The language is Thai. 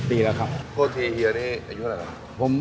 โทษทีเฮียนี่อายุเท่าไรครับ